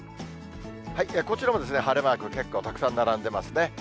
こちらも晴れマーク、結構たくさん並んでますね。